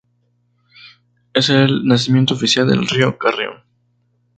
Es el nacimiento oficial del río Carrión.